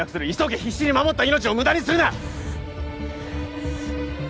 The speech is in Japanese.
必死に守った命を無駄にするな！